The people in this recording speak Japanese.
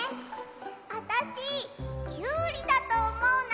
あたしキュウリだとおもうな！